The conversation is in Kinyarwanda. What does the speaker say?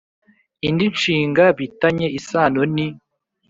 Indi nshinga bi tanye isano ni